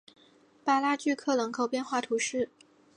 巴拉聚克人口变化图示